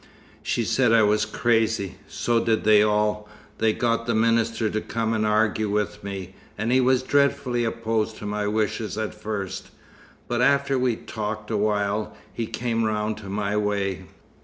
"She said I was crazy. So did they all. They got the minister to come and argue with me, and he was dreadfully opposed to my wishes at first. But after we'd talked a while, he came round to my way."